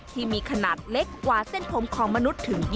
ที่มีขนาดเล็กกว่าเส้นผมของมนุษย์ถึง๒๐